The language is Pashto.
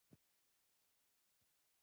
هو، محلی خواړه خورم